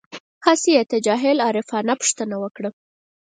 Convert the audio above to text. هسې یې تجاهل العارفانه پوښتنه وکړه.